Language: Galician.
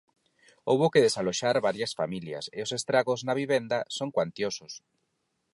Houbo que desaloxar varias familias e os estragos na vivenda son cuantiosos.